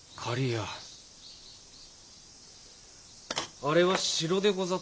あれは城でござったか。